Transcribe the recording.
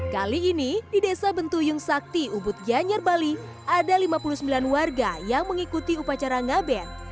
kali ini di desa bentu yung sakti ubud giyan yerbali ada lima puluh sembilan warga yang mengikuti upacara ngaben